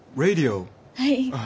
はい。